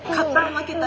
負けた？